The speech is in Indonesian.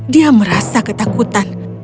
dia merasa ketakutan